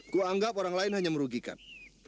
ku anggap orang lain hanya merugikan